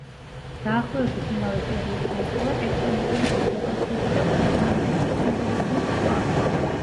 დაახლოებით იმავე პერიოდს ემთხვევა ტექტონიკური დისლოკაციები და კონტინენტების კომპოზიციის ცვლა.